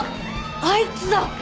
あいつだ。